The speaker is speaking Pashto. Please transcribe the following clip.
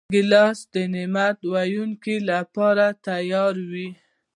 ګیلاس د نعت ویونکو لپاره تیار وي.